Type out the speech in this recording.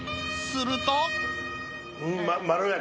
すると